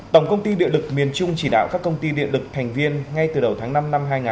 tổng công ty điện lực miền trung chỉ đạo các công ty điện lực thành viên ngay từ đầu tháng năm năm hai nghìn hai mươi